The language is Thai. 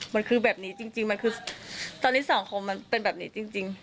มันคือแบบนี้จริงมันคือตอนนี้สังคมมันเป็นแบบนี้จริง